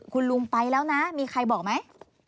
คุณลุงไปแล้วนะมีใครบอกไหม